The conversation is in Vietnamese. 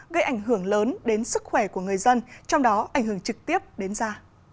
gây ảnh hưởng lớn đến sức khỏe của người dân trong đó ảnh hưởng trực tiếp đến da